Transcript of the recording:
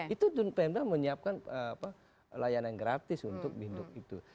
itu pemda menyiapkan layanan gratis untuk binduk itu